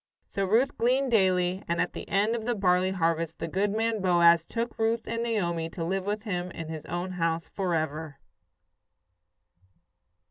So Ruth gleaned daily, and at the end of the barley harvest the good man Boaz took Ruth and Naomi to live with him in his own house forever.